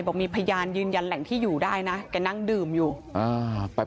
บอกมีพยานยืนยันแหล่งที่อยู่ได้นะแกนั่งดื่มอยู่อ่าแต่